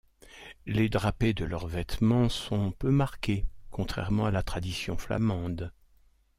Les drapés de leurs vêtements sont peu marqués contrairement à la tradition flamande.